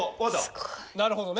なるほどね。